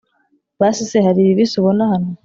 basi se hari ibibisi ubona hano!’